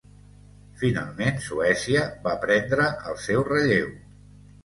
Finalment Suècia va prendre el seu relleu.